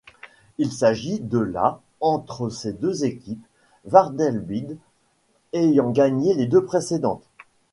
Il s'agit de la entre ces deux équipes, Vanderbilt ayant gagné les deux précédentes.